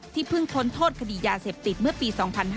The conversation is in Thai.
เพิ่งพ้นโทษคดียาเสพติดเมื่อปี๒๕๕๙